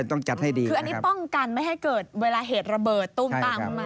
ต้องจัดให้ดีคืออันนี้ป้องกันไม่ให้เกิดเวลาเหตุระเบิดตุ้มตามขึ้นมา